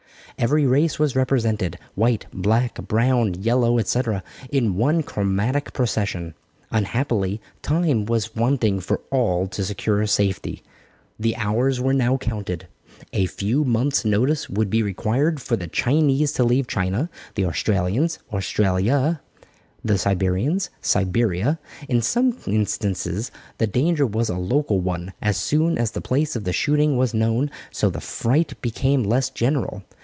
Every race was represented, white, black, brown, yellow, etc., in one chromatic procession. Unhappily, time was wanting for all to secure safety. The hours were now counted. A few months notice would be required for the Chinese to leave China, the Australians, Australia, the Siberians, Siberia. In some instances the danger was a local one as soon as the place of the shooting was known, so the fright became less general.